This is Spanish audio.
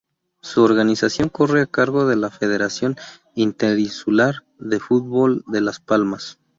Su organización corre a cargo de la Federación Interinsular de fútbol de Las Palmas.